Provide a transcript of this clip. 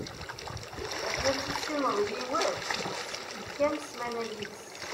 Akken ad tissineḍ yiwen, ssikel kan ssmana yid-s.